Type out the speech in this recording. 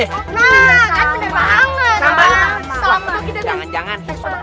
sama sama pagi template jangan